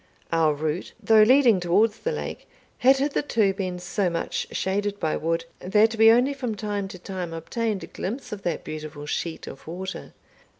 Our route, though leading towards the lake, had hitherto been so much shaded by wood, that we only from time to time obtained a glimpse of that beautiful sheet of water.